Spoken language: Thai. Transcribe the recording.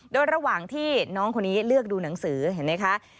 โดยระหว่างที่น้องคนนี้เลือกดูหนังสือเห็นไหมคะ